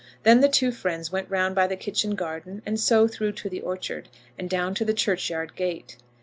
Then the two friends went round by the kitchen garden, and so through to the orchard, and down to the churchyard gate.